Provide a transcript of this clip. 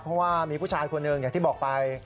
เพราะว่ามีผู้ชายคนหนึ่งอย่างที่บอกไป